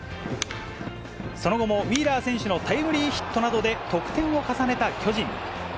その後もウィーラー選手のタイムリーヒットなどで得点を重ねた巨人。